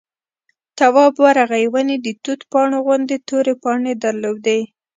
تواب ورغی ونې د توت پاڼو غوندې تورې پاڼې درلودې.